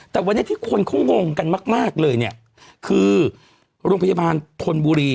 แต่วันนี้ที่คนเขางงกันมากเลยเนี่ยคือโรงพยาบาลธนบุรี